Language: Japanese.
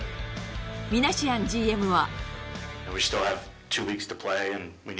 ミナシアンＧＭは。